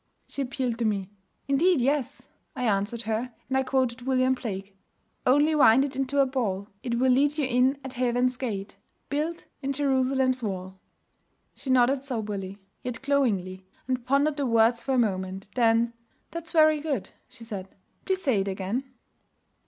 She appealed to me. 'Indeed, yes!' I answered her. And I quoted William Blake, 'Only wind it into a ball, It will lead you in at heaven's gate, Built in Jerusalem's wall.' She nodded soberly, yet glowingly, and pondered the words for a moment. Then, 'That's very good,' she said. 'Please say it again.